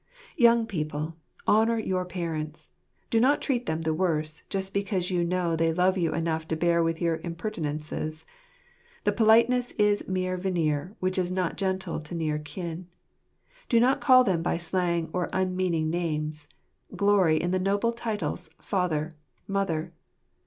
Young people, honour your parents ! Do not treat them the worse, just because you know they love you enough to bear with your impertinences. The politeness is mere veneer which is not gentle to near kin. Do not call them by slang or unmeaning names: glory in the noble titles, "Father," "Mother."